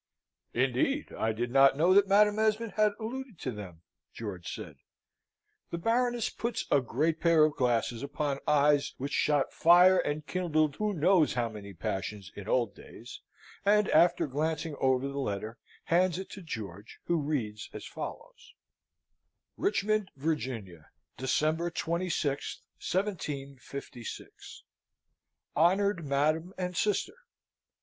"Indeed? I did not know that Madam Esmond had alluded to them," George said. The Baroness puts a great pair of glasses upon eyes which shot fire and kindled who knows how many passions in old days, and, after glancing over the letter, hands it to George, who reads as follows: "RICHMOND, VIRGINIA, December 26th, 1756. "HONOURED MADAM! AND SISTER!